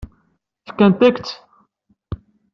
Fkant-ak-tt?